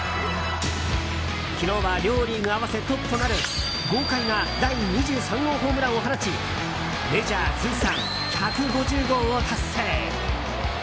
昨日は両リーグ合わせトップとなる豪快な第２３号ホームランを放ちメジャー通算１５０号を達成。